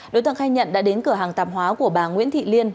đối tượng khai nhận đã đến cửa hàng tạp hóa của bà nguyễn thị liên